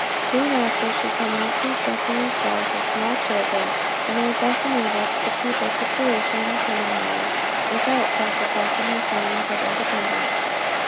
Soon after she commenced instructing a class of small children, and was thus enabled to keep her situation in the seminary, without sacrificing her feelings of independence.